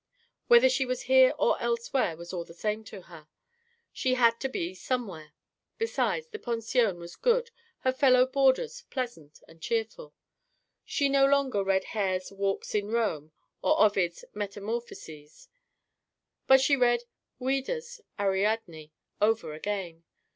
Whether she was here or elsewhere was all the same to her: she had to be somewhere. Besides, the pension was good, her fellow boarders pleasant and cheerful. She no longer read Hare's Walks in Rome or Ovid's Metamorphoses, but she read Ouida's Ariadne over again.